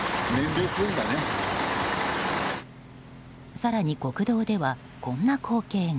更に国道では、こんな光景が。